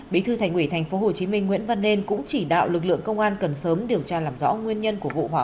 bí thư thành ủy tp hcm nguyễn văn nên cũng chỉ đạo lực lượng công an cần sớm điều tra làm rõ nguyên nhân của vụ hỏa hoạn